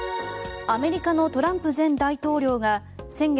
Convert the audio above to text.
アメリカのトランプ前大統領が先月